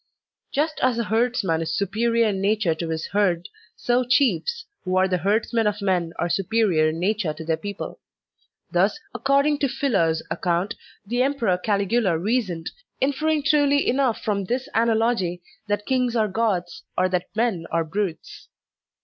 Just as a herdsman is superior in nature to his herd, so chiefs, who are the herdsmen of men, are superior in nature to their people. Thus, according to Philo's ac cotmt, the Emperor Caligula reasoned, inferring truly enough from this analogy that kings are gods, or that men are brutes.